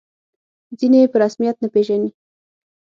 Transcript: ځینې یې په رسمیت نه پېژني.